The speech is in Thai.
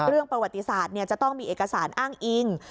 เรื่องประวัติศาสตร์จะต้องมีเอกสารอ้างอิง